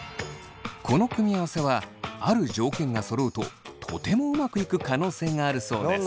この組み合わせはある条件がそろうととてもうまくいく可能性があるそうです。